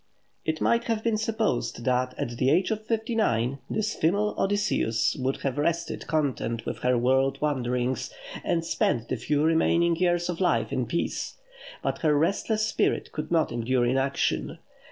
] It might have been supposed that, at the age of fifty nine, this female Odysseus would have rested content with her world wanderings, and spent the few remaining years of life in peace; but her restless spirit could not endure inaction.